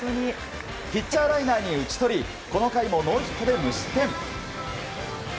ピッチャーライナーに打ち取りこの回もノーヒットで無失点。